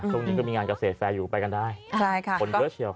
ช่วงนี้ก็มีงานเกษตรแฟร์อยู่ไปกันได้คนเยอะเชียว